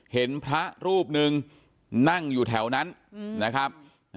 เห็นพระรูปหนึ่งนั่งอยู่แถวนั้นนะครับ